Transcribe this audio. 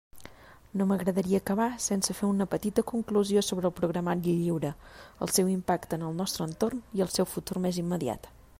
No m'agradaria acabar sense fer una petita conclusió sobre el programari lliure, el seu impacte en el nostre entorn, i el seu futur més immediat.